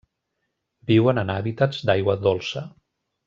Viuen en hàbitats d'aigua dolça.